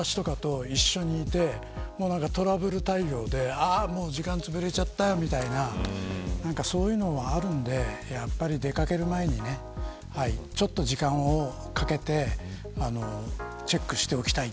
特に家族とか友達とかと一緒にいてトラブル対応で時間つぶれちゃったよ、みたいなそういうのもあるのでやっぱり出掛ける前にちょっと時間をかけてチェックしておきたい。